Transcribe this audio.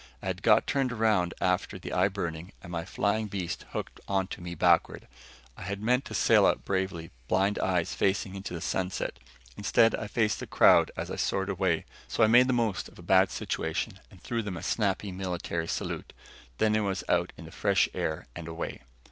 I had got turned around after the eye burning and my flying beast hooked onto me backward. I had meant to sail out bravely, blind eyes facing into the sunset; instead, I faced the crowd as I soared away, so I made the most of a bad situation and threw them a snappy military salute. Then I was out in the fresh air and away.